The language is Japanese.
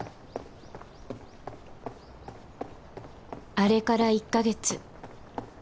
あれから１カ月